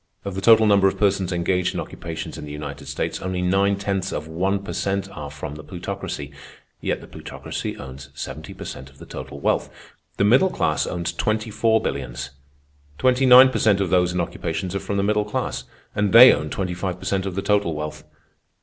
Of the total number of persons engaged in occupations in the United States, only nine tenths of one per cent are from the Plutocracy, yet the Plutocracy owns seventy per cent of the total wealth. The middle class owns twenty four billions. Twenty nine per cent of those in occupations are from the middle class, and they own twenty five per cent of the total wealth.